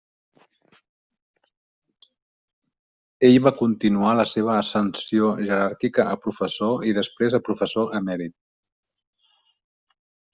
Ell va continuar la seva ascensió jeràrquica a professor i després a professor emèrit.